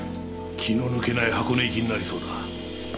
気の抜けない箱根行きになりそうだ。